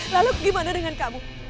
lalu gimana dengan kamu